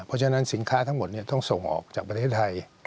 เพราะฉะนั้นสินค้าทั้งหมดต้องส่งออกจากประเทศไทย